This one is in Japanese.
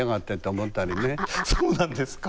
そうなんですか？